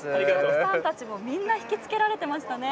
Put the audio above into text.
ファンたちもみんな引き付けられていましたね。